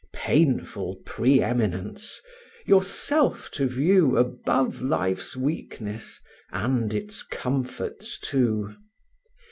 Painful pre eminence! yourself to view Above life's weakness, and its comforts too.